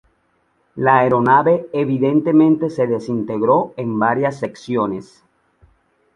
La aeronave evidentemente se desintegró en varias secciones.